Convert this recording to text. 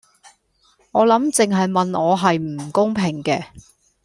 我諗淨係問我係唔公平嘅